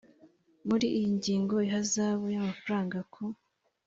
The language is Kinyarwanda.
muri iyi ngingo ihazabu y amafaranga ku